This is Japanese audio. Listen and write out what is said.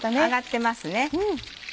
揚がってますね。